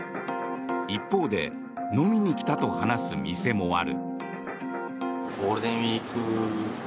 一方で飲みに来たと話す店もある。